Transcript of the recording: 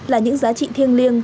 là những giá trị thiêng liêng